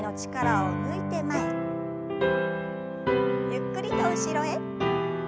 ゆっくりと後ろへ。